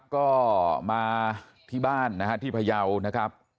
ก็มาที่บ้านที่พะเยานะครับ